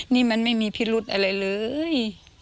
นี่มันไม่มีพิรุธอะไรเลย